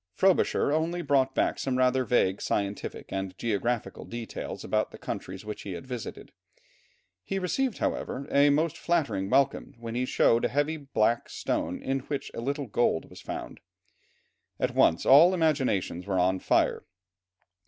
Frobisher only brought back some rather vague scientific and geographical details about the countries which he had visited; he received, however, a most flattering welcome when he showed a heavy black stone in which a little gold was found. At once all imaginations were on fire.